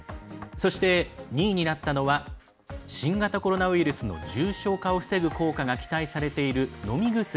そして、２位になったのは新型コロナウイルスの重症化を防ぐ効果が期待されている飲み薬。